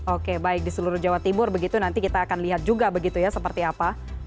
oke baik di seluruh jawa timur begitu nanti kita akan lihat juga begitu ya seperti apa